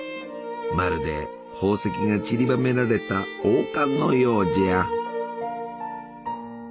まるで宝石がちりばめられた王冠のようじゃ！